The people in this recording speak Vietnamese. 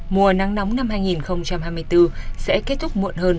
mùa nắng nóng năm hai nghìn hai mươi bốn sẽ kết thúc muộn hơn